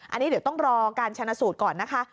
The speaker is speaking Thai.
อันนี้เดี๋ยวต้องรอการชนะสูตรก่อนนะคะ